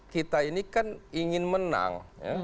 kita ini kan ingin menang